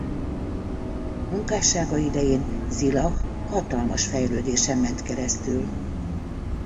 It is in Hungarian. Munkássága idején Zilah hatalmas fejlődésen ment keresztül.